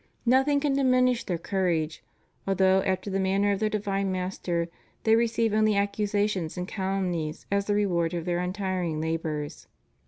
Nothing can diminish their courage, although after the manner of their divine Master they receive only accusations and calumnies as the reward of their untiring labors.